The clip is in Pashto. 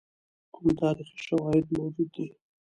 کوم تاریخي شواهد موجود دي.